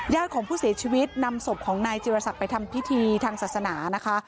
ของผู้เสียชีวิตนำศพของนายจิรศักดิ์ไปทำพิธีทางศาสนานะคะ